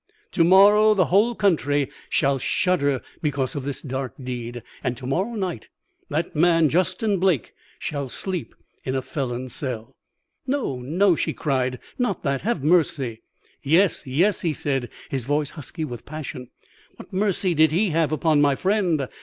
To morrow the whole country shall shudder because of this dark deed, and to morrow night that man, Justin Blake, shall sleep in a felon's cell' "'No, no!' she cried. 'Not that. Have mercy.' "'Yes, yes!' he said, his voice husky with passion. 'What mercy did he have upon my friend?